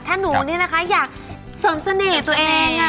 ถ้าหนูนี่นะคะอยากเสริมเสน่ห์ตัวเอง